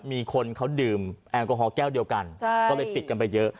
มีคนเขาดื่มแอลกอฮอลแก้วเดียวกันก็เลยปิดกันไปเยอะ